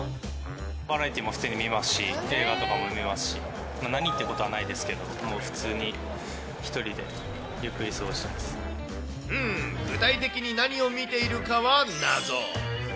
バラエティも普通に見ますし、映画とかも見ますし、何っていうことはないですけど、もう普通に、一人でゆっくり過ごうん、具体的に何を見ているかは謎。